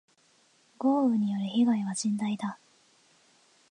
豪雨による被害は甚大だ。